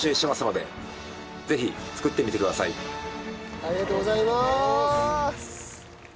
ありがとうございます！